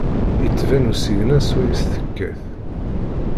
Ittban usigna syawes tekkat.